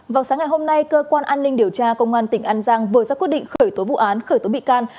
vào sáng ngày hôm nay cơ quan an ninh điều tra công an tỉnh an giang vừa ra quyết định khởi tố vụ án khởi tố bị can